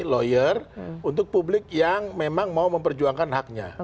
lawyer untuk publik yang memang mau memperjuangkan haknya